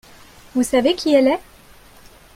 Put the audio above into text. Vous savez qui elle est ?